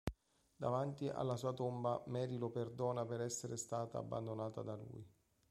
Davanti alla sua tomba, Mary lo perdona per essere stata abbandonata da lui.